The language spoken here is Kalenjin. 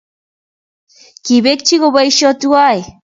kibekyi koboisio tuwai